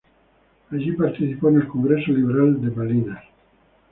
Allí participó en el Congreso Liberal de Malinas.